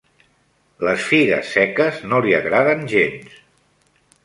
Les figues seques no li agraden gens.